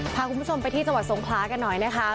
พาคุณผู้ชมไปที่จังหวัดสงขลากันหน่อยนะคะ